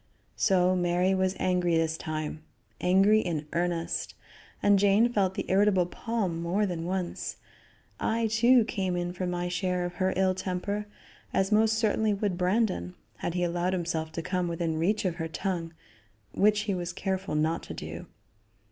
So Mary was angry this time; angry in earnest, and Jane felt the irritable palm more than once. I, too, came in for my share of her ill temper, as most certainly would Brandon, had he allowed himself to come within reach of her tongue, which he was careful not to do.